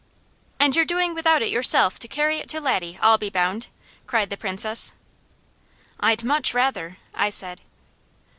"And you're doing without it yourself to carry it to Laddie, I'll be bound!" cried the Princess. "I'd much rather," I said.